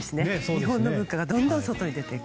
日本の文化がどんどん外に出て行く。